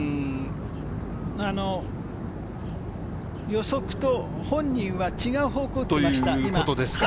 予測と本人は違う方向に出した。